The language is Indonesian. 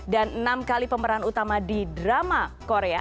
dan enam kali pemeran utama di drama korea